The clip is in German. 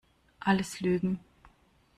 Alles Lügen!